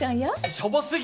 しょぼ過ぎ！